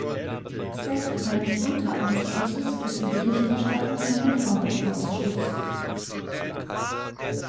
Zweck eines Unterausschusses ist die Berichterstattung an den Hauptausschuss.